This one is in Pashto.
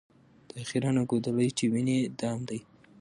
دا خیرنه ګودړۍ چي وینې دام دی